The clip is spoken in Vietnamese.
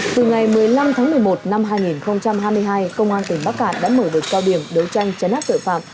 từ ngày một mươi năm tháng một mươi một năm hai nghìn hai mươi hai công an tỉnh bắc cạn đã mở đợt cao điểm đấu tranh chấn áp tội phạm